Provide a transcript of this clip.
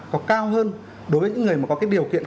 có cao hơn đối với những người mà có cái điều kiện